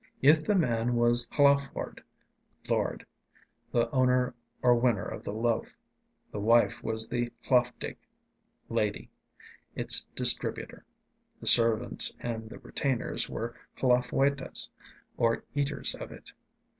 If the man was the hlaf ord [lord], the owner or winner of the loaf, the wife was the hlaf dig [lady], its distributor; the servants and the retainers were hlaf oetas, or eaters of it.